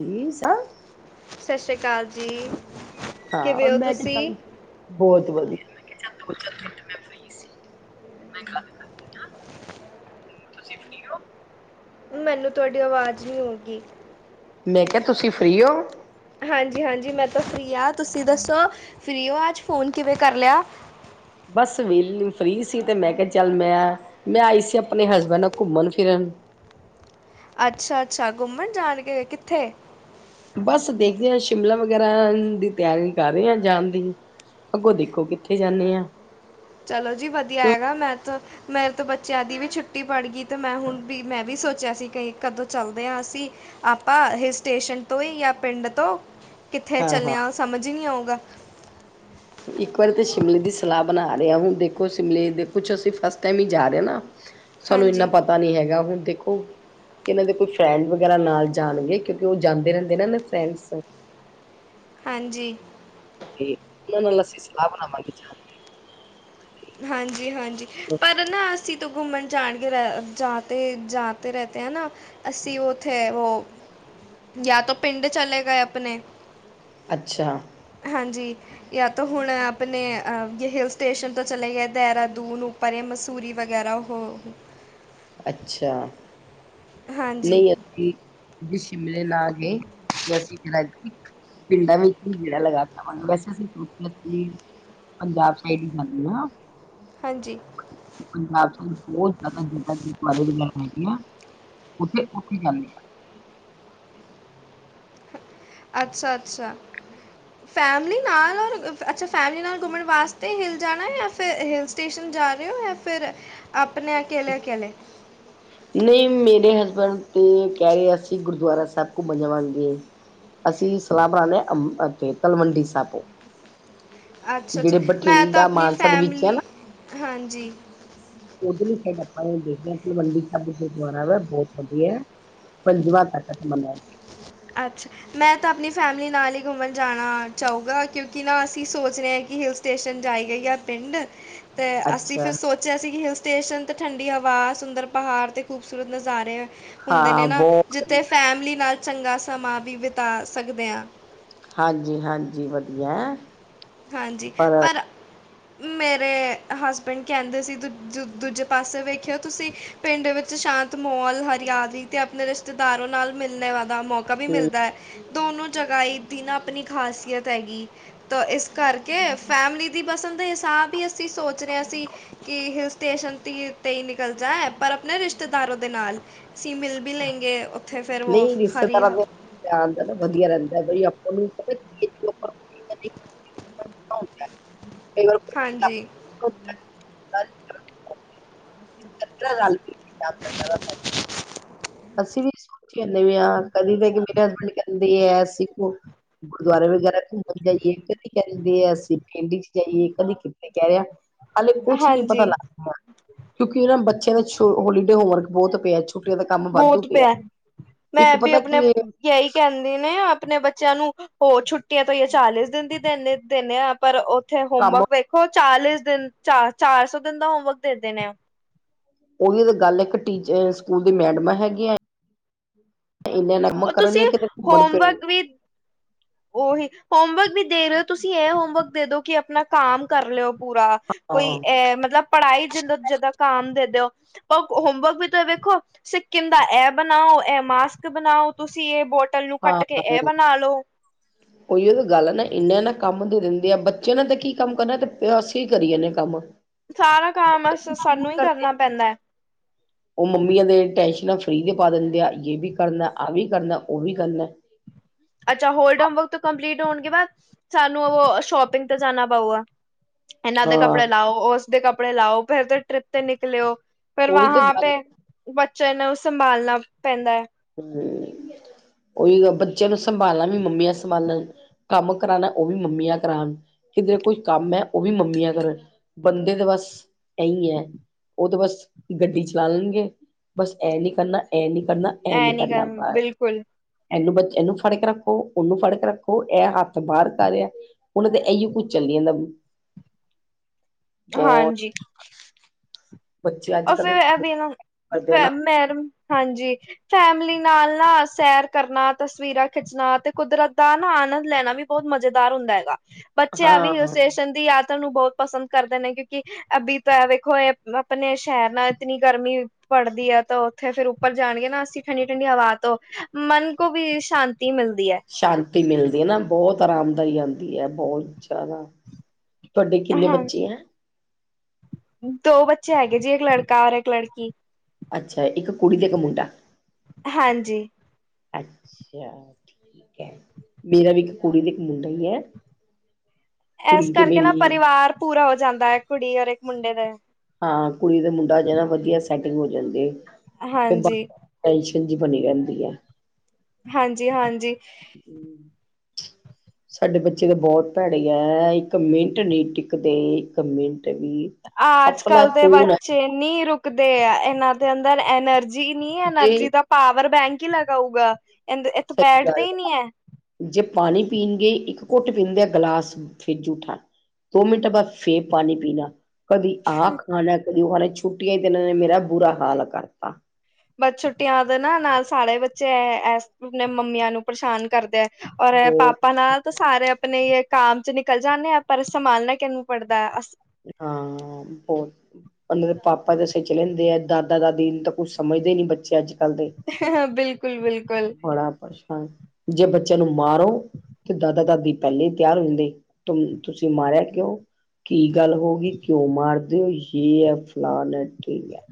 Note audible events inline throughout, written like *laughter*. ਨੀ ਸਨ। ਸਸ ਸ੍ਰੀ ਕਾਲ ਜੀ। ਹਾਂ ਕਿਵੇਂ ਓ ਮੈਂ ਤੇ ਤੁਸੀਂ? ਚੱਲ ਬਹੁਤ ਵਧੀਆ ਤੁਸੀਂ ਵੀ ਠੀਕ ਹੋ? ਮੈਨੂੰ ਤੁਆਡੀ ਆਵਾਜ਼ ਨੀ ਆਉਂਗੀ। ਮੈਂ ਕਿਆ ਤੁਸੀਂ ਫਰੀ ਓ? ਹਾਂਜੀ ਹਾਂਜੀ ਮੈਂ ਤਾਂ ਫਰੀ ਆ ਤੁਸੀਂ ਦੱਸੋ, ਫਰੀ ਹੋ ਅੱਜ ਫ਼ੋਨ ਕਿਵੇਂ ਕਰ ਲਿਆ? ਬਸ ਵੈਲੀ ਫਰੀ ਸੀ ਤੇ ਮੈਂ ਕਿਆ ਚੱਲ ਮੈਂ ਮੈਂ ਆਈ ਸੀ ਆਪਣੇ ਹਸਬੈਂਡ ਨਾਲ ਘੁੰਮਣ ਫਿਰਨ। ਅੱਛਾ ਅੱਛਾ ਘੁੰਮਣ ਜਾਣਗੇ ਕਿੱਥੇ? ਬਸ ਦੇਖਦੇ ਹਾਂ ਸ਼ਿਮਲਾ ਵਗੈਰਾ ਦੀ ਤਿਆਰੀ ਕਰ ਰਹੇ ਹ ਜਾਣ ਦੀ। ਅੱਗੋਂ ਦੇਖੋ ਕਿੱਥੇ ਜਾਂਨੇ ਆ। ਚਲੋ ਜੀ ਵਧੀਆ ਹੈਗਾ। ਮੈਂ ਤਾਂ ਮੇਰੇ ਤੋਂ ਬੱਚਿਆਂ ਦੀ ਵੀ ਛੁੱਟੀ ਪੜ ਗੀ। ਤੇ ਮੈਂ ਹੁਣ ਵੀ ਮੈਂ ਵੀ ਸੋਚਿਆ ਸੀ ਕੇ ਕਦੋਂ ਚੱਲਦੇ ਆ ਅਸੀਂ, ਆਪਾਂ ਹਿਲ ਸਟੇਸ਼ਨ ਤੋ ਯਾ ਪਿੰਡ ਤੋਂ? ਕਿੱਥੇ ਹਾਂ ਹਾਂ ਚੱਲਿਆਂ ਓ ਸਮਝ ਈ ਨੀ ਆਊਗਾ। ਇੱਕ ਵਾਰੀ ਤਾਂ ਸ਼ਿਮਲੇ ਦੀ ਸਲਾਹ ਬਨਾ ਰੇ ਆਂ, ਹੁਨ ਦੇਖੋ ਸ਼ਿਮਲੇ ਦੇ ਕੁਛ ਅਸੀ ਫਸਟ ਟਾਈਮ ਈ ਜਾ ਰੇ ਆਂ ਨਾ। ਸਾਨੂੰ ਇੰਨਾ ਹਾਂਜੀ ਪਤਾ ਨੀ ਹੈਗਾ ਹੁਨ ਦੇਖੋ ਇਨਾਂ ਦੇ ਕੋਈ ਫਰੈਂਡ ਵਗੈਰਾ ਨਾਲ ਜਾਣਗੇ ਕਿਓਂਕਿ ਓ ਜਾਂਦੇ ਰੈਂਦੇ ਨਾ ਇਨਾ ਦੇ ਫਰੈਂਡਸ। ਹਾਂਜੀ। ਤੇ ਓਨਾਂ ਨਾਲ ਅਸੀ ਸਲਾ ਬਣਾਵਾਂਗੇ ਜਾਣਦੀ। ਹਾਂਜੀ ਹਾਂਜੀ ਦੀ। ਪਰ ਨਾ ਅਸੀ ਘੁੰਮਣ ਜਾਣਗੇ ਰ ਜਾਤੇ-ਜਾਤੇ ਰੈਤੇ ਹੈ ਨਾ। ਅਸੀ ਉਥੇ ਓ ਯਾ ਤੋ ਪਿੰਡ ਚਲੇ ਗਏ ਅਪਨੇ। ਅੱਛਾ। ਹਾਂਜੀ ਯਾ ਤੋ ਹੁਣ ਅਪਨੇ ਅ ਹਿਲ ਸਟੇਸ਼ਨ ਤੋ ਚਲੇ ਗਏ ਦੈਰਾਦੂਨ ਪਰੇ ਮਸੂਰੀ ਵਗੈਰਾ ਹੋਰ ਅੱਛਾ। ਨੀ ਅਸੀ, ਸ਼ਿਮਲੇ ਨਾਲ ਗਏ ਤ ਅਸੀ ਲੇ ਇਨਾ ਵੀ ਕੀ ਮਹੀਨਾ ਲਾਤਾ *unintelligible* ਪੰਜਾਬ ਸਾਇਡ ਈ ਜਾਨੇ ਆਂ। ਹਂਜੀ। ਪੰਜਾਬ ਸਾਈਡ ਦੇ ਬੋਤ ਜਿਆਦਾ ਗੁਰਦੁਆਰਾ ਸਾਹਿਬ *unintelligible* ਹੁੰਦੇ ਆ। ਉੱਥੇ ਤੁਰ ਕੇ ਜਾਨੇ ਆ। ਅੱਛਾ, ਅੱਛਾ। *inaudible* ਫੈਮਿਲੀ ਨਾਲ ਅੱਛਾ ਫੈਮਿਲੀ ਨਾਲ ਘੁੰਮਣ ਵਾਸਤੇ ਹਿਲ ਜਾਣਾ ਐ ਯਾ ਫਿਰ ਹਿਲ ਸਟੇਸ਼ਨ ਜਾ ਰੇ ਓ ਫੇਰ ਅਪਨੇ ਅਕੇਲੇ-ਅਕੇਲੇ? ਨਈ ਮੇਰੇ ਹਸਬੈਂਡ ਤੇ ਕੈ ਰਿਹ ਆ ਸੀ ਗੁਰਦਵਾਰਾ ਸੈਹਿਬ ਘੁੰਮਣ ਜਾਵਾਂਗੇ। ਅਸੀ ਸਲਾ ਬਣਾ ਰਹੇ ਅ ਓਥੇ ਤਲਵੰਡੀ ਸਾਬੋ। ਅੱਛਾ, ਅੱਛਾ ਜਿਹੜੇ ਮੈਂ ਤਾਂ ਬਠਿੰਡਾ ਅਪਨੀ ਮਾਨਸਾ ਦੇ ਵਿੱਚ ਹੈ ਨਾ ਫੈਮਲੀ, ਹਾਂਜੀ। ਓਦਰਲੀ ਸੈਡ ਆਪਾਂ ਦੇਖਦੇ ਆਂ ਤਲਵਂਡੀ ਸੈਬ ਗੁਰਦਵਾਰਾ ਏ ਬੋਤ ਵਦੀਆ ਐ। ਪੰਜਵਾਂ ਤਖਤ ਅਸੀ ਮੰਨਿਆ ਏ। ਅੱਛਾ। ਮੈਂ ਤਾਂ ਅਪਨੀ ਫੈਮਿਲੀ ਨਾਲ ਈ ਘੁੰਮਣ ਜਾਣਾ ਚਾਊਗਾ, ਕਿਓਂਕਿ ਨਾ ਅਸੀ ਸੋਚ ਰੇ ਆਂ ਕੀ ਹਿਲ ਸ ਸਟੇਸ਼ਨ ਜਾਈ ਗਯੀ ਯਾ ਪੇਂਡ, ਤੇ ਗਿਆ। ਅਸੀ ਅੱਛਾ ਫੇਰ ਸੋ ਜੈਸੇ ਕੀ ਹਿਲ ਸਟੇਸ਼ਨ ਤੇ ਠੰਡੀ ਹਵਾ, ਸੁੰਦਰ ਪਹਾੜ ਤੇ ਖੂਬਸੂਰਤ ਨਜ਼ਾਰੇ ਹੁੰਦੇ ਹਾਂ ਨੇ ਨਾ, ਬਹੁਤ ਜਿੱਥੇ ਫੈਮਲੀ ਨਾਲ ਚੰਗਾ ਸਮਾਂ ਵੀ ਬਿਤਾ ਸਕਦੇ ਆਂ। ਹਾਂਜੀ-ਹਾਂਜੀ, ਵਧੀਯਾ ਹਾਂਜੀ ਪਰ ਮੇਰੇ ਹਸਬੈਂਡ ਕੈਂਦੇ ਸੀ, ਦੂ ਦੂ ਦੂਜੇ ਪਾਸੇ ਵੇਖੇਔ ਤੁਸੀ। ਪਿੰਡ ਵਿੱਚ ਸ਼ਾਂਤ ਮਹੋਲ ਹਰਿਆਲੀ ਤੇ ਅਪਨੇ ਰਿਸ਼ਤੇਦਾਰੋ ਨਾਲ ਮਿਲਣੇ ਵਾਦਾ ਮੌਕਾ ਵੀ ਹਮ ਮਿਲਦਾ ਐ। ਦੋਨੋ ਜਗਾ ਈ ਦੀਨਾ ਅਪਨੀ ਖ਼ਾਸੀਅਤ ਹੈਗੀ। ਤਾਂ ਇਸ ਕਰਕੇ, ਫੈਮਲੀ ਦੀ ਪਸੰਦ ਦੇ ਹਿਸਾਬ ਈ ਅਸੀ ਸੋਚ ਰੇ ਆਂ ਅਸੀ ਕਿ ਹਿਲ ਸਟੇਸ਼ਨ ਤੀ ਤੇ ਈ ਤੇ ਨਿਕਲ ਜਾ ਪਰ ਅਪਨੇ ਰਿਸ਼ਤੇਦਾਰੋ ਦੇ ਨਾਲ। ਸੀ ਮਿਲ ਬੀ ਲੇਂਗੇ ਔਥੇ ਫੇਰ ਵੋਫ ਹਰੀ ਹ ਆਂਦੈ ਨਾ ਵਦਿਯਾ ਰੈਂਦਾ ਬ ਈ *unintelligible* ਪਤਾ ਹੋਂਦੈ, ਕ ਈ ਵਾਰ ਕੋ ਈ ਚੀ ਜ ਨਾ ਹਾਂਜੀ *unintelligible* *unintelligible* *unintelligible* ਅਸੀ ਵੀ *unintelligible* ਬੀ ਅਸੀ ਵੀ *unintelligible* ਕਦੀ ਕੈ ਦਿਂਦੇ ਆ *unintelligible* ਅਸੀਂ ਪਿੰਡ ਚ ਜਾਈਏ, ਕਦੀ ਕਿਥੇ ਜਾਯਾ ਹਲੇ ਕੁੱਛ ਨੀ ਪਤਾ ਹਾਂਜੀ ਲਗ ਰੇਆ। ਕਿਉਂਕਿ ਇਨਾਂ ਬੱਚਿਆਂ ਦਾ ਛ ਹੋਲੀਡੇ ਹੋਮਵਰਕ ਬੋਤ ਪੇਯਾ ਛੁਟੀਯਾਂ ਦਾ ਕੰਮ ਵਾਧੂ ਬੋਤ ਪਿਆ ਪੇਯਾ, ਇੱਕ ਮੈਂ ਵੀ ਪਤਾ ਅਪਣੇ ਕੀ ਯ ਈ ਕੈਂਦੇ ਨੇ ਅਪਣੇ ਬੱਚੇਆਂ ਨੂੰ, ਹੋਰ ਛੁੱਟੀਆਂ ਤੇ ਈਯੇ ਚਾਲੀਸ ਦਿਨ ਦੀ ਦੇਨੇ ਦੇਨੇ ਆ ਅ ਪਰ ਔਥੇ ਕੰਮ ਹੋਮਵਰਕ ਵੇਖੋ ਚਾਲੀ ਦਿਨ ਚਾ ਚਾਰ ਸੌ ਦਿਨ ਦਾ ਹੋਮਵਕ ਦੇਂਦੇ ਨੇ ਔ ਔਹੀ ਤੇ ਗੱਲੇ ਇੱਕ ਟੀਚ ਅ ਸਕੂਲ ਦੀ ਮੈਡਮਾਂ ਹੈਗੀਆਂ ਇਨ ਨਮ *unintelligible* ਤੁਸੀਂ ਕਰਨ ਕਿਤੇ ਘੁੰਮਣ ਫਿਰ ਔਹੀ ਹੋਮਵਰਕ ਵੀ ਦੇ ਰਹੇ ਹੋ ਤੁਸੀਂ, ਇਹ ਹੋਮਵਰਕ ਦੇ ਦੋ ਕਿ ਅਪਨਾ ਕੰਮ ਕਰ ਲੇ ਔ ਪੂਰਾ। ਕੋਈ ਹਾਂ ਐ ਮਤਲਬ ਪੜ੍ਹਾਈ ਜਿੱਦ ਜਿੱਦਾਂ ਕੰਮ ਦੇ ਦਯੋ ਪਵ ਹੋਮਵਰਕ ਵੀ ਤੇ ਵੇਖੋ। ਸਿੱਕਮ ਦਾ ਐਹ ਬਨਾਔ ਐਹ ਮਾਸਕ ਬਨਾਔ ਤੁਸੀਂ ਏਹ ਬੋ ਹਾਂ *unintelligible* ਔਈਯੋ ਤੇ ਗੱਲ ਏਨਾ ਇਨਾ ਨਾ ਕੰਮ ਦੇ ਦਿੰਦੇਆ ਬੱਚੇ ਨਾ ਤੇ ਕੀ ਕੰਮ ਕਰਨਾ ਤੇ ਪੇ ਅਸੀਂ ਕਰੀ ਜਾਂਨੇ ਆ ਕੰਮ ਸਾਰਾ ਕੰਮ ਅਸ ਸਾਨੂੰ ਈ ਕਰਨਾ ਪੈਂਦੈ ਔ ਮੰਮੀਆਂ ਦੇ ਟੈਂਸ਼ਨਾਂ ਫਰੀ ਦੇ ਪਾ ਦਿੰਦੇ ਆ, ਇਹ ਵੀ ਕਰਨਾ, ਆਹ ਵੀ ਕਰਨਾ ਉਹ ਵੀ ਕਰਨਾ। ਅੱਛਾ ਹੋਲਡੇ ਹੋਮ ਵਰਕ ਤੋਂ ਕੰਪਲੀਟ ਹੋਣਗੇ ਬਾਅਦ ਸਾਨੂੰ ਔ ਸ਼ੋਪਿੰਗ ਤੇ ਜਾਣਾ ਪਊਗਾ। ਐਨਾਂ ਦੇ ਹਾਂ ਕੱਪੜੇ ਲਾਔ, ਉਸਦੇ ਕੱਪੜੇ ਲਾਔ ਫੇਰ ਤੇ ਟ੍ਰਿਪ ਤੇ ਨਿਕਲੇਔ। ਫੇਰ ਉਹੀ ਤਾਂ ਵਾਂਹਾਂ ਗੱਲ ਪੇ ਬੱਚੇ ਨੂੰ, ਔ ਸੰਭਾਲਣਾ ਪੈਂਦਾ ਐ ਹਮ, ਔਈਯੋ ਬੱਚੇਆਂ ਨੂੰ ਸੰਭਾਲਣਾ ਵੀ ਮੰਮੀਆਂ ਸੰਭਾਲਣ ਕੰਮ ਕਰਾਨਾ ਔ ਵੀ ਮੰਮੀਆਂ ਕਰਾਨ, ਕਿਧਰੇ ਕੋਈ ਕੰਮ ਐ, ਔਵੀ ਮੰਮੀਆਂ ਕਰਨ। ਬੰਦੇ ਤੇ ਬਸ ਏਂਈ ਐ ਔ ਤਾਂ ਬਸ ਗੱਡੀ ਚਲਾ ਲੈਣਗੇ। ਬਸ ਐ ਨੀ ਕਰਨਾ, ਐ ਨੀ ਕਰਨਾ ਐ ਐਨੀ ਨੀ ਕਰ ਕਰਨਾ ਬਾ ਬਿਲਕੁਲ ਐਨੂੰ ਬਚੇ ਐਨੂੰ ਫੜ ਕੇ ਰੱਖੋ, ਔਨੂੰ ਫੜਕ ਰੱਖੋ, ਐ ਹੱਥ ਬਾਰ ਕਰ ਰੇਯਾ। ਔਨੂ ਤੇ ਐਇਯੋ ਕੁੱਝ ਚਾ ਈ ਦਾ *unintelligible* ਹਾਂਜੀ। ਬੱਚੇ ਅੱਜ ਅਸੀ ਕੱਲ ਦੇ ਫੇਰ ਤੰਗ ਐਵੀ ਐਨੂੰ, ਕਰਦੇ ਆ ਨਾ ਮੈਮ ਮੈਰਮ ਹਾਂਜੀ। ਫੈਮਲੀ ਨਾਲ ਨਾ ਸੈਰ ਕਰਨਾ ਤਸਵੀਰਾਂ ਖਿੱਚਣਾ ਤੇ ਕੁਦਰਤ ਦਾ ਨਾ ਆਨੰਦ ਲੈਣਾ ਵੀ ਬਹੁਤ ਮਜ਼ੇਦਾਰ ਹੁੰਦਾ ਹੈਗਾ ਬੱਚੇ ਆ ਵੀ ਹਾਂ ਸਟੇਸ਼ਨ ਦੀ ਯਾਤਰਾ ਨੂੰ ਬਹੁਤ ਪਸੰਦ ਕਰਦੇ ਨੇ ਕਿਉਂਕਿ ਬੀ ਤਾਂ ਵੇਖੋ ਇਹ ਆਪਣੇ ਸ਼ਹਿਰ ਨਾਲ ਇਤਨੀ ਗਰਮੀ ਪੜਦੀ ਹੈ ਤਾਂ ਉੱਥੇ ਫੇਰ ਉੱਪਰ ਜਾਣਗੇ ਨਾ ਅਸੀਂ ਠੰਡੀ ਠੰਡੀ ਹਵਾ ਤੋਂ ਮਨ ਕੋ ਵੀ ਸ਼ਾਂਤੀ ਮਿਲਦੀ ਹੈ। ਸ਼ਾਂਤੀ ਮਿਲਦੀ ਹੈ ਨਾ ਬਹੁਤ ਆਰਾਮਦਾਈ ਆਦੀ ਹੈ ਬਹੁਤ ਜ਼ਿਆਦਾ ਤੁਹਾਡੇ ਕਿੰਨੇ ਹਾਂ ਬੱਚੇ ਹੈ। ਦੋ ਬੱਚੇ ਹੈਗੇ ਜੀ ਇੱਕ ਲੜਕਾ ਔਰ ਇੱਕ ਲੜਕੀ ਅੱਛਾ ਇੱਕ ਕੁੜੀ ਤੇ ਇੱਕ ਮੁੰਡਾ ਹਾਂਜੀ ਅੱਛਾ ਠੀਕ ਮੇਰਾ ਵੀ ਇੱਕ ਕੁੜੀ ਤੇ ਇੱਕ ਮੁੰਡਾ ਹੀ ਹੈ ਐਸ ਕੁੜੀ ਤੇ ਕਰਕੇ ਨਾ ਮੇਰੀ ਪਰਿਵਾਰ ਪੂਰਾ ਹੋ ਜਾਂਦਾ ਹੈ ਇੱਕ ਕੁੜੀ ਔਰ ਇੱਕ ਮੁੰਡੇ ਦਾ ਹਾਂ ਕੁੜੀ ਦਾ ਮੁੰਡਾ ਜਰਾਂ ਵਧੀਆ ਸੈਟਿੰਗ ਹੋ ਜਾਂਦੇ ਹਾਂਜੀ ਟੈਨਸ਼ਨ ਜੀ ਬਣੀ ਰਹਿੰਦੀ ਆ ਹਾਂਜੀ ਹਾਂਜੀ *unintelligible* ਸਾਡੇ ਬੱਚੇ ਤਾਂ ਬਹੁਤ ਭੈੜੇ ਆ ਇੱਕ ਮਿੰਟ ਨਹੀਂ ਟਿਕਦੇ ਇੱਕ ਮਿੰਟ ਵੀ ਅੱਜ ਅਫਲਾ ਕੱਲ ਦੇ ਤੂਨ ਬੱਚੇ ਨਹੀਂ ਰੁਕਦੇ ਆ ਇਹਨਾਂ ਦੇ ਅੰਦਰ ਐਨਰਜੀ ਨਹੀਂ ਐਨਰਜੀ ਜੇ ਦਾ ਪਾਵਰ ਬੈਂਕ ਹੀ ਲਗਾਉਗਾ ਇੱਥੇ ਸਹੀ ਬੈਠਦਾ ਗੱਲ ਹੀ ਨਹੀਂ ਹੈ ਜੇ ਪਾਣੀ ਪੀਣਗੇ ਇੱਕ ਘੁੱਟ ਪੀਂਦੇ ਆ ਗਲਾਸ ਫਿਰ ਜੂਠਾ ਦੋ ਮਿੰਟਾਂ ਬਾਅਦ ਫੇਰ ਪਾਣੀ ਪੀਣਾ ਕਦੀ ਆਹ ਖਾਣਾ ਕਦੀ ਉਹ ਨੇ ਛੁੱਟੀਆਂ ਚ ਤੇ ਇਹਨਾਂ ਨੇ ਮੇਰਾ ਬੁਰਾ ਹਾਲ ਕਰਤਾ। ਬਟ ਛੁੱਟੀਆਂ ਦੇ ਨਾ ਨਾਲ ਸਾਲੇ ਬੱਚੇ ਏਸ ਮਮੀਆ ਨੂੰ ਪਰੇਸ਼ਾਨ ਕਰਦੇ ਆ ਔਰ ਇਹ ਬਹੁਤ ਪਾਪਾ ਨਾਲ ਸਾਰੇ ਆਪਣੇ ਕਾਮ ਚ ਨਿਕਲ ਜਾਨੇ ਆ ਪਰ ਸੰਭਾਲਨਾ ਕਿਨੂੰ ਪੜਦਾ। ਹਾਂ ਬਹੁਤ ਹਾਲੇ ਤੇ ਪਾਪਾ ਦੇ ਸਿਰ ਚੜੇ ਰਹਿੰਦੇ ਆ ਦਾਦਾ ਦਾਦੀ ਨੂੰ ਤੇ ਕੁਝ ਸਮਝਦੇ ਨਹੀਂ ਬੱਚੇ ਅੱਜ ਕੱਲ ਦੇ ਹ ਬਿਲਕੁਲ ਬਿਲਕੁਲ ਬੜਾ ਪਰੇਸ਼ਾਨ ਜੇ ਬੱਚਿਆਂ ਨੂੰ ਮਾਰੋ ਤੇ ਦਾਦਾ ਦਾਦੀ ਪਹਿਲੇ ਤਿਆਰ ਹੁੰਦੇ ਤੁਸੀਂ ਮਾਰਿਆ ਕਿਉਂ ਕੀ ਗੱਲ ਹੋ ਗਈ ਕਿਉਂ ਮਾਰਦੇ ਉ ਯੇ ਹੈ ਫ਼ਲਾਨ ਹੈ ਢੀਂਗ ਹੈ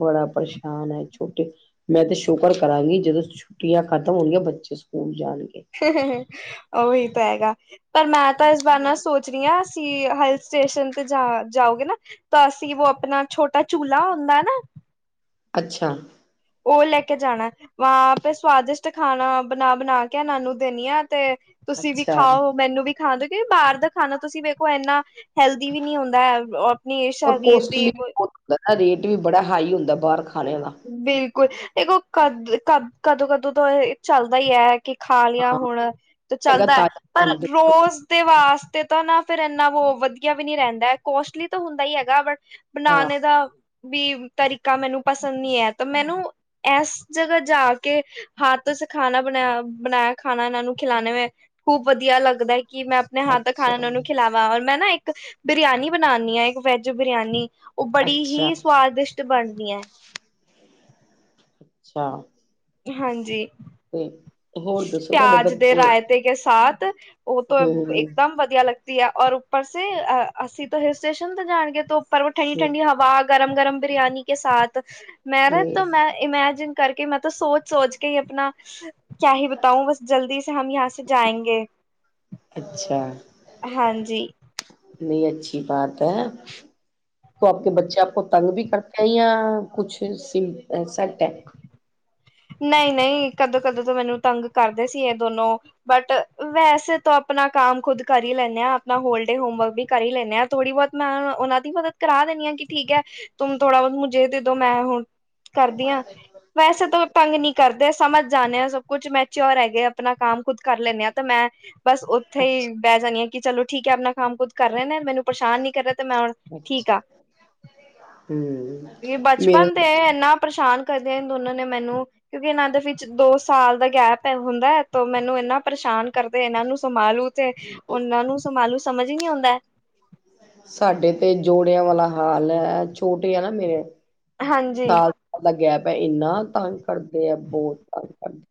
ਬੜਾ ਪਰੇਸ਼ਾਨ ਹੈ ਛੋਟੇ ਮੈਂ ਤੇ ਸ਼ੁਕਰ ਕਰਾਂਗੀ ਜਦੋਂ ਛੁੱਟੀਆਂ ਖਤਮ ਹੋਣਗੀਆਂ ਬੱਚੇ ਸਕੂਲ ਜਾਣਗੇ ਉਹੀ ਤਾਂ ਹੈਗਾ ਪਰ ਮੈਂ ਤਾਂ ਇਸ ਬਾਰ ਨਾ ਸੋਚ ਰਹੀ ਆਂ ਅਸੀਂ ਨਾ ਹਿੱਲ ਸਟੇਸ਼ਨ ਤੇ ਜਾਓਗੇ ਨਾ ਦਾਸੀ ਵੋ ਆਪਣਾ ਛੋਟਾ ਝੂਲਾ ਹੁੰਦਾ ਨਾ ਅੱਛਾ ਉਹ ਲੈ ਕੇ ਜਾਣਾ ਵਹਾਂ ਪੇ ਸਵਾਦਿਸ਼ਟ ਖਾਣਾ ਬਣਾ ਬਣਾ ਕੇ ਇਹਨਾਂ ਨੂੰ ਦੇਨੀ ਆ ਤੇ ਤੁਸੀਂ ਵੀ ਅੱਛਾ ਖਾਓ ਮੈਨੂੰ ਵੀ ਖਾਂਦੇ ਨਹੀ ਬਾਰ ਦਾ ਖਾਨਾ ਤੁਸੀਂ ਵੇਖੋ ਇਨਾ ਹੈਲਦੀ ਵੀ ਨਹੀਂ ਹੁੰਦਾ ਆਪਣੀ ਉਹ ਸਰੀਰ ਕੋਸਟਲੀ ਦੀ ਵੀ ਹੁੰਦਾ ਏ ਰੇਟ ਵੀ ਬੜਾ ਹਾਈ ਹੁੰਦਾ ਬਾਹਰ ਖਾਣੇ ਦਾ ਬਿਲਕੁਲ ਦੇਖੋ ਕਦ-ਕਦ -ਕਦੋਂ -ਕਦੋ ਤਾ ਏ ਚੱਲਦਾ ਈ ਆ ਕਿ ਖਾ ਲਿਆ ਹਾਂ ਹੁਣ ਤੇ ਹੈਗਾ ਚੱਲਦਾ ਆ, ਤਾਜ਼ਾ ਪਰ ਬਣਾਦੇ ਰੋਜ਼ ਤੇ ਵਾਸਤੇ ਤਾਂ ਨਾ ਫਿਰ ਇੰਨਾ ਕੁ ਵਧੀਆ ਵੀ ਨਹੀਂ ਰਹਿੰਦਾ, ਕੋਸਟਲੀ ਤਾਂ ਹੁੰਦਾ ਹੀ ਹੈਗਾ ਬਟ, ਹਾਂ ਬਣਾਣੇ ਦਾ ਵੀ ਤਰੀਕਾ ਮੈਨੂੰ, ਪਸੰਦ ਨਈ ਆਇਆ, ਤੋ ਮੈਨੂੰ ਐਸ ਜਗਾ ਜਾ ਕੇ, ਹਾਥੋ ਸੇ ਖਾਣਾ ਬਣਾਇਆ, ਬਣਾਇਆ ਖਾਣਾ ਉਹਨਾਂ ਨੂੰ ਖਿਲਾਨਾ ਮੈ, ਬਹੁਤ ਵਧੀਆ ਲੱਗਦਾ, ਕਿ ਮੈਂ ਆਪਣੇ ਹੱਥ ਦਾ ਖਾਣਾ ਅੱਛਾ, ਉਹਨਾ ਨੂੰ ਖਿਲਾ ਹਾ, ਮੈਂ ਨਾ ਇੱਕ ਬਿਰੀਆਨੀ ਬਣਾਦੀ ਆ, ਇੱਕ ਵੈਜ ਬਿਰੀਆਨੀ, ਉਹ ਬੜੀ ਅੱਛਾ, ਹੀ ਸਵਾਦੀਸ਼ ਟ, ਬਣਦੀਆਂ, ਅੱਛਾ, ਹਾਂਜੀ। ਤੇ, ਹੋਰ ਦੱਸੋ ਤੁਹਾਡੇ ਬੱਚੇ, ਠੀਕ ਹ ਸਾਟ, ਉਹ ਤਾ ਹੂੰ, ਇਕ ਦਮ ਵਧੀਆ ਲੱਗ ਦੀਆ, ਔਰ ਉਪਰ ਸੇ ਅ ਅਸੀਂ ਤਾ ਹਿਲ ਸਟੇਸ਼ਨ ਤੇ ਜਾਣਗੇ ਤੇ ਉਪਰ ਹੂੰ, ਠੰਢੀ-ਠੰਢੀ ਹਵਾ, ਗਰਮ- ਗਰਮ ਬਿਰਿਆਨੀ ਕੇ ਸਾਥ ਮੈਂ, ਨਾ, ਤਾ ਹੂੰ ਮੈ ਅਮੈਜੀਨ ਕਰਕੇ ਮੈ ਤਾਂ ਸੋਚ -ਸੋਚ ਕੇ ਈ ਆਪਣਾ ਚਾਹੇ ਬਤਾਓ ਬਸ ਜਲਦੀ ਸੇ ਹਮ ਯਹਾਂ ਸੇ ਜਾਏਗੇ, ਹਾਂਜੀ। ਨਈ ਅੱਛੀ ਬਾਤ ਐ, ਸੱਤ ਬੱਚਾ ਪਤੰਗ ਵੀ ਕਰਕੇ ਆਈ ਆ ਕੁਛ ਸੀ ਸੈਟ ਆ, ਨਈ -ਨਈ ਕਦੇ -ਕਦੇ, ਤ, ਮੈਨੂੰ ਤੰਗ ਕਰਦੇ ਸੀ, ਇਹ ਦੋਨੋ, ਬਟ ਵੈਸੇ ਤਾ ਆਪਣਾ ਕੰਮ ਖੁਦ ਕਰ ਈ ਲੈਨੇ ਆ, ਆਪਣਾ ਹੋਲੀਡੇ ਹੋਮਵਰਕ ਵੀ ਕਰ ਈ ਲੈਨੇ ਆ, ਥੋੜੀ ਬਹੁਤ ਮੈ ਅ ਉਹਨਾਂ ਦੀ ਮਦਦ ਕਰਾ ਦੇਨੀ ਆ, ਕੀ ਠੀਕ ਆ, ਤੁਮ ਥੋੜਾ ਬੋਤ ਮੁਜੇ ਦੇਦੋ ਮੈ ਵੋ, ਕਰਦੀ ਆ ਵੈਸੇ ਤਾਂ, ਤੰਗ ਨਹੀਂ ਕਰਦੇ ਸਮਝ ਜਾਂਦੇ ਆ, ਸਬ ਕੁਝ ਮੈਂਚੋਰ ਹੈਗੇ ਆ, ਆਪਣਾ ਕੰਮ ਖੁਦ ਕਰ ਲੈਦੇ ਆ, ਤੇ ਮੈਂ, ਬਸ ਓਥੇ ਈ ਬੈ ਜਾਦੀ ਆ, ਕਿ ਚਲੋ ਠੀਕ ਹ, ਆਪਣਾ ਕੰਮ ਖੁਦ ਕਰ ਰਹੇ ਨੇ, ਮੈਨੂੰ ਪਰੇਸ਼ਾਨ ਨਹੀਂ ਕਰਨਾ ਤੇ ਮੈਂ ਹੁਣ, ਠੀਕ ਆ, ਹੂੰ। ਏ ਮੇਰੇ ਬਚਪਨ ਤੇ ਏਨਾ ਪਰੇਸ਼ਾਨ, ਕਦੇ ਦੋਨਾਂ ਨੇ ਮੈਨੂੰ, ਕਿਉਂਕਿ ਇਨਾ ਦੇ ਵਿੱਚ ਦੋ ਸਾਲ ਦਾ ਗੈਪ ਐ ਹੁੰਦਾ, ਤੋ ਮੈਨੂੰ ਇਨਾ ਪਰੇਸ਼ਾਨ ਕਰਦੇ ਇਹਨਾਂ ਨੂੰ ਸੰਭਾਲੂ ਤੇ, ਉਹਨਾਂ ਨੂੰ ਸਮਾਲੂ ਸਮਝ ਨਈ ਆਉਂਦਾ, ਸਾਡੇ ਤੇ ਜੋੜਿਆਂ ਵਾਲਾ ਹਾਲ ਐ, ਛੋਟੇ ਆ ਨਾ ਮੇਰੇ ਹਾਂਜੀ ਸਾਲ ਦਾ ਗੈਪ ਏ, ਇੰਨਾ ਤੰਗ ਕਰਦੇ ਆ, ਬਹੁਤ ਤੰਗ ਕਰਦੇ,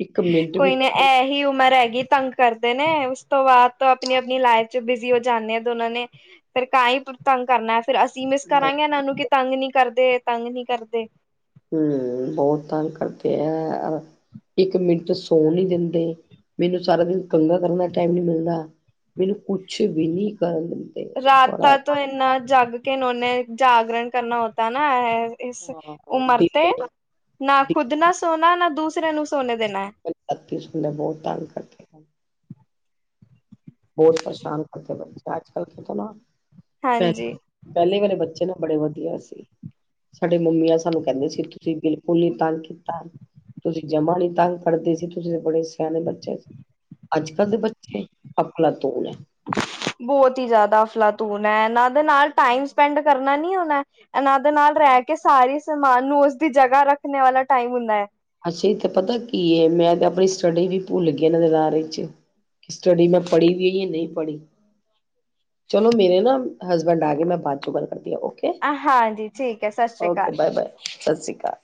ਇੱਕ ਮਿੰਟ ਵੀ ਏ ਐਹੀ ਉਮਰ ਹੈਗੀ ਤੰਗ ਕਰਦੇ ਨੇ, ਉਸ ਤੋਂ ਬਾਅਦ ਤਾ ਆਪਣੀ -ਆਪਣੀ ਲਾਈਫ ਚ ਬਿਜ਼ੀ ਹੋ ਜਾਂਨੇ ਏ ਦੋਨਾਂ ਨੇ, ਫੇਰ ਤਾਹੀ ਤੰਗ ਕਰਨਾ ਏ, ਫਿਰ ਅਸੀਂ ਮਿਸ ਕਰਾਂਗੇ ਏਹਨਾਂ ਨੂੰ ਕਿ ਤੰਗ ਨਹੀਂ ਕਰਦੇ -ਤੰਗ ਨਹੀਂ ਕਰਦੇ। ਹਮ! ਬਹੁਤ ਤੰਗ ਕਰਦੇ ਐ, ਇੱਕ ਮਿੰਟ ਚ ਸੌਣ ਨੀ ਦਿੰਦੇ, ਮੈਨੂੰ ਸਾਰਾ ਦਿਨ ਕੰਗਾ ਕਰਨ ਦਾ ਟਾਈਮ ਨੀ ਮਿਲਦਾ, ਮੈਨੂੰ ਕੁਛ ਵੀ, ਕਰਨ ਨਹੀ ਦਿੰਦੇ। ਬੜਾ ਰਾਤਾਂ ਤੋਂ ਇੰਨਾ ਜਗ ਕਿ ਇਨੋ ਨੇ, ਜਾਗਰਣ ਕਰਨਾ ਹੋਤਾ ਨਾ, ਐ ਇਸ ਉਮਰ ਤੇ, ਦਿਨੇ ਨਾ ਖੁੱਦ ਨਾ ਸੋਣਾ, ਨਾ ਦੂਸਰੇ ਨੂੰ ਸੋਨੇ ਦੇਣਾ, ਰਾਤੀ ਸੋਣ ਤੇ ਬਹੁਤ ਤੰਗ ਕਰਦੇ, ਬੋਤ ਪਰੇਸ਼ਾਨ ਕਰਦੇ ਬੱਚੇ, ਅੱਜ- ਕੱਲ ਪਤਾ ਨਾ ਪੈ, ਹਾਂਜੀ ਪੈਲੇ ਵਾਲੇੇ ਬੱਚੇ ਨਾ, ਬੜੇ ਵਧੀਆ ਸੀ। ਸਾਡੇ ਮੰਮੀਆਂ ਸਾਨੂੰ ਕਹਿੰਦੇ ਸੀ, ਤੁਸੀਂ ਬਿਲਕੁਲ ਨੀ ਤੰਗ ਕੀਤਾ। ਤੁਸੀਂ ਜਮਾ ਨੀ ਤੰਗ ਕਰਦੇ ਸੀ, ਤੁਸੀਂ ਤੇ ਬੜੇ ਸੇਆਣੇ ਬੱਚੇ ਸੀ, ਅੱਜ-ਕੱਲ ਦੇ ਬੱਚੇ ਅਫਲਾਤੂਨ ਐ। ਬਹੁਤ ਹੀ ਯਾਦਾ ਅਫਲਾਤੂਨ ਐ ਏਨਾਂ ਦੇ ਨਾਲ ਟਾਈਮ ਸਪੈਂਡ ਕਰਨਾ ਨੀ ਓਨਾ ਐਨਾਂ ਦੇ ਨਾਲ ਰੈ ਕੇ ਸਾਰੀ ਸਮਾਨ ਨੂੰ ਓਸਦੀ ਜਗਾ ਰੱਖਣੇ ਵਾਲਾ ਟਾਈਮ ਹੁੰਦਾ ਏ। ਅਸੀਂ ਤੇ ਪਤਾ ਕੀ ਏ ਮੈਂ ਤੇ ਪਣੀ ਸਟੱਡੀ ਵੀ ਭੁੱਲ ਗਈ ਏਨਾਂ ਦੇ ਲਾਰੇ ਚ ਸਟਡੀ ਮੈਂ ਪੜ੍ਹੀ ਵੀ ਏ ਜਾਂ ਨਈ ਪੜ੍ਹੀ। ਚਲੋ ਮੇਰੇ ਨਾ ਹਸਬੈਂਡ ਆ ਗਏ ਮੈਂ ਬਾਅ ਚੋਂ ਗੱਲ ਕਰਦੀ ਆਂ ਓਕੇ। ਆ ਹਾਂਜੀ ਠੀਕ ਐ ਸਛੀ ਕਾਲ। ਸਾਸੀ ਕਾਲ।